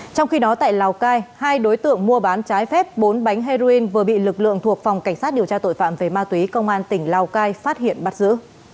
trong khi đó tại lào cai hai đối tượng mua bán trái phép bốn bánh heroin vừa bị lực lượng thuộc phòng cảnh sát điều tra tội phạm về ma túy công an tỉnh lào cai phát hiện bắt giữ